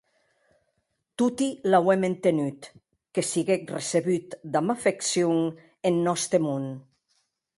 Toti l'auem entenut, que siguec recebut damb afeccion en nòste mon.